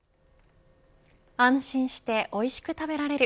安心しておいしく食べられる。